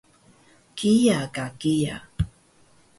kiya ka kiya